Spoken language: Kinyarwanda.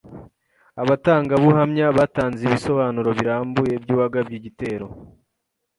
Abatangabuhamya batanze ibisobanuro birambuye by’uwagabye igitero.